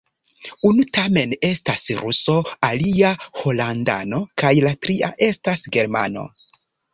Unu tamen estas ruso, alia holandano kaj la tria estas germano.